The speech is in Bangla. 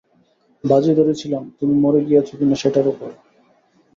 বাজি ধরেছিলাম তুমি মরে গিয়েছ কি না সেটার ওপর।